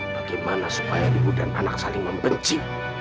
bagaimana supaya ibu dan anak saling membenci